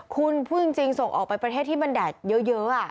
คุณพูดจริงส่งออกไปประเทศที่มันแดดเยอะ